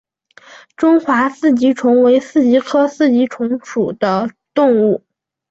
中华四极虫为四极科四极虫属的动物。